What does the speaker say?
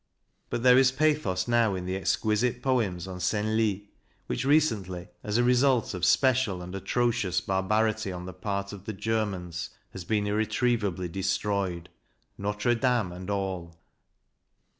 But there is pathos now in the exquisite poems on Senlis, which recently, as a result of special and atrocious barbarity on the part of the Germans, has been irretrievably destroyed, Notre Dame and all.